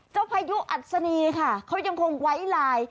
พายุอัศนีค่ะเขายังคงไว้ลาย